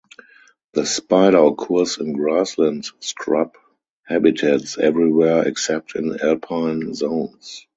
The spider occurs in grassland scrub habitats everywhere except in alpine zones.